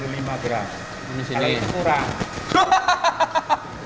ini itu kurang